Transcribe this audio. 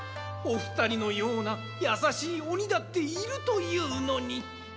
おふたりのようなやさしいおにだっているというのに。